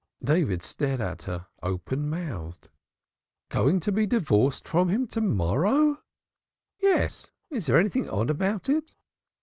David stared at her, open mouthed. "Going to be divorced from him to morrow?" "Yes, is there anything odd about it?"